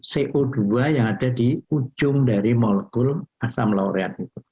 co dua yang ada di ujung dari molkul asam laureat